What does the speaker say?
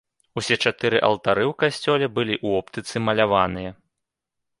Усе чатыры алтары ў касцёле былі ў оптыцы маляваныя.